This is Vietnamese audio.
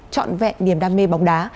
trọn vẹn niềm đam mê bóng đá